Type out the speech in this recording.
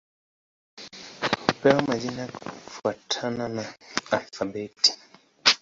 Hupewa majina kufuatana na alfabeti.